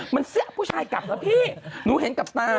มันเสี้ยผู้ชายกลับนะพี่หนูเห็นกับตา